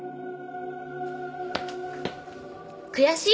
悔しい？